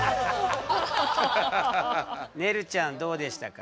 ねるちゃんどうでしたか？